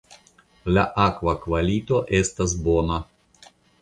La akva kvalito estas bona.